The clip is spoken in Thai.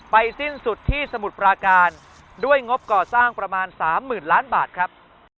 สิ้นสุดที่สมุทรปราการด้วยงบก่อสร้างประมาณ๓๐๐๐ล้านบาทครับ